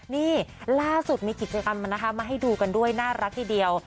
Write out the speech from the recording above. นี่ล่าสุดมีกิจกรรมมานะคะมาให้ดูกันด้วยน่ารักทีเดียว